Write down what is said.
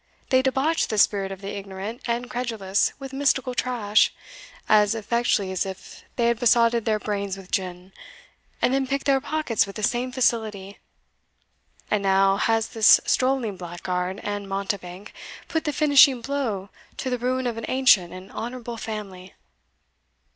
They debauch the spirit of the ignorant and credulous with mystical trash, as effectually as if they had besotted their brains with gin, and then pick their pockets with the same facility. And now has this strolling blackguard and mountebank put the finishing blow to the ruin of an ancient and honourable family!"